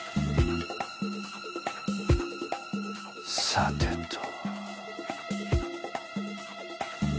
さてと。